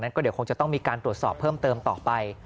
ก็เดี๋ยวคงจะต้องมีการตรวจสอบเพิ่มเติมต่อไป